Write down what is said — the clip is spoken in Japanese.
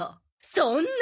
そんな！？